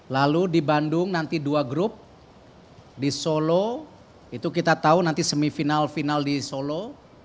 lalu di bandung nanti dua grup di solo itu kita tahu nanti semifinal final di solo